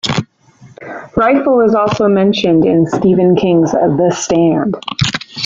Rifle is also mentioned in Stephen King's "The Stand".